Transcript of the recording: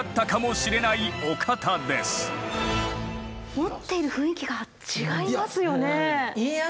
持っている雰囲気が違いますよね。